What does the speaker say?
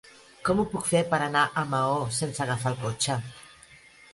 Com ho puc fer per anar a Maó sense agafar el cotxe?